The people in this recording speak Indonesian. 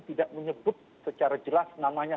tidak menyebut secara jelas namanya